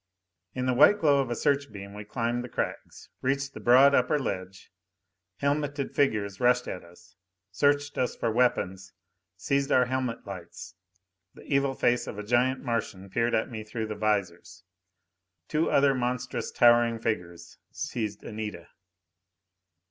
In the white glow of a searchbeam we climbed the crags, reached the broad upper ledge. Helmeted figures rushed at us, searched us for weapons, seized our helmet lights. The evil face of a giant Martian peered at me through the visors. Two other monstrous, towering figures seized Anita.